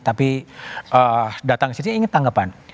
tapi datang ke sini ingin tanggapan